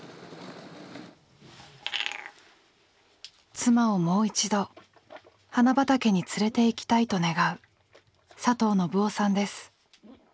「妻をもう一度花畑に連れて行きたい」と願う佐藤信男さんです。